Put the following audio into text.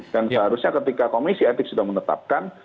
dan seharusnya ketika komisi etik sudah menetapkan